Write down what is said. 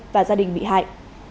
và gia đình bị hại